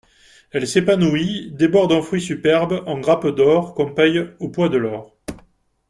Elle s'épanouit, déborde en fruits superbes, en grappes d'or, qu'on paye au poids de l'or.